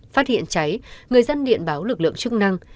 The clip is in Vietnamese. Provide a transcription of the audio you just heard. phát hiện cháy người dân điện báo lực lượng chức năng